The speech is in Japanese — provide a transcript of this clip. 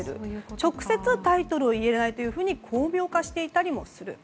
直接タイトルを入れないというふうに巧妙化していたりする。